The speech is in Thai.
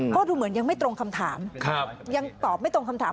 ก็คงเหมือนยังไม่ตรงคำถาม